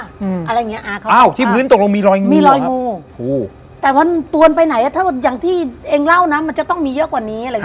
อ้าวที่พื้นตกลงมีรอยงูมีรอยงูแต่ว่าตัวนไปไหนอย่างที่เองเล่านะมันจะต้องมีเยอะกว่านี้